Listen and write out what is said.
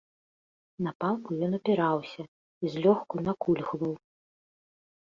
На палку ён апіраўся і злёгку накульгваў.